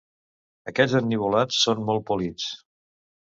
Aquests ennivolats són molt polits